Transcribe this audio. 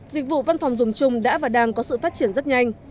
dịch vụ văn phòng dùng chung đã và đang có sự phát triển rất nhanh